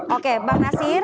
oke bang nasir